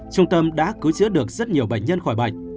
trung tâm đã cứu chữa được rất nhiều bệnh nhân khỏi bệnh